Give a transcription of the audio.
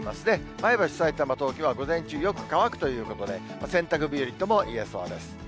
前橋、さいたま、東京は午前中よく乾くということで、洗濯日和ともいえそうです。